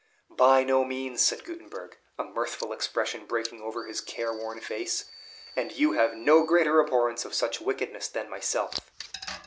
"By no means," said Gutenberg, a mirthful expression breaking over his care worn face, "and you have no greater abhorrence of such wickedness than myself."